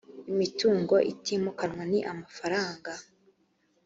imitungo itimukanwa ni amafaranga